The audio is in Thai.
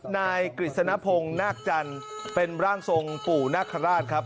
นายกฤษณพงศ์นาคจันทร์เป็นร่างทรงปู่นาคาราชครับ